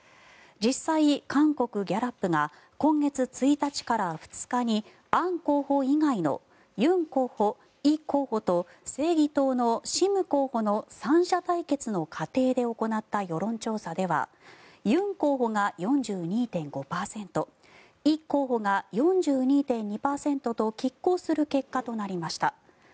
実際、韓国ギャラップが今月１日から２日にアン候補以外のユン候補、イ候補と正義党のシム候補の３者対決の過程で行った世論調査ではユン候補が４２．５％イ候補が４２．２％ときっ抗する結果となりました。